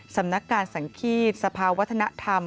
สำนักการสังฆีตสภาวัฒนธรรม